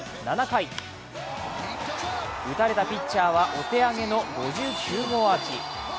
７回、打たれたピッチャーはお手上げの５９号アーチ。